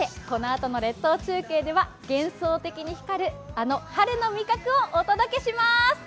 このあとの列島中継では幻想的に光るあの春の味覚をお届けします！